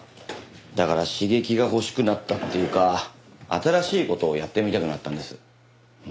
だから刺激が欲しくなったっていうか新しい事をやってみたくなったんです。